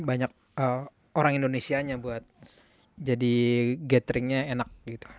banyak orang indonesianya buat jadi gatheringnya enak gitu